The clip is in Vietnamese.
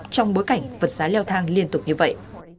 trong bối cảnh vật giá leo thang liên tục như vậy